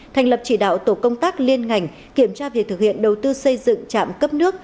thành lập chỉ đạo tổ công tác liên ngành kiểm tra việc thực hiện đầu tư xây dựng trạm cấp nước